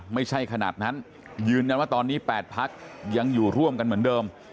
ไม่ใช่ขนาดนั้นยืนยันว่าตอนนี้๘พักยังอยู่ร่วมกันเหมือนเดิม